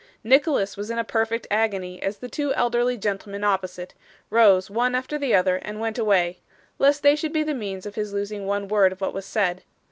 Nicholas was in a perfect agony as the two elderly gentlemen opposite, rose one after the other and went away, lest they should be the means of his losing one word of what was said.